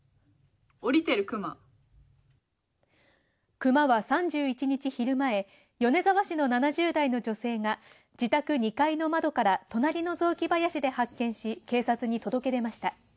クマは３１日昼前米沢市の７０代の女性が自宅２階の窓から隣の雑木林で発見し警察に届け出ました。